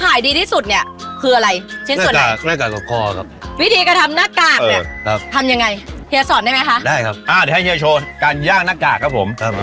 อ่ะเดี๋ยวให้เฮียโชว์การย่างหน้ากากครับผม